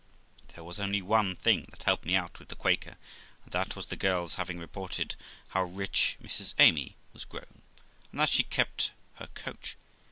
There was only one thing that helped me out with the Quaker, and that was the girl's having reported how rich Mrs Amy was grown, and that she kept her coach.